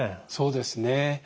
そうですね。